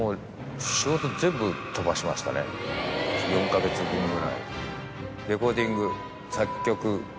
４か月分ぐらい。